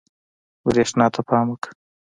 برېښنا ته پام وکړه.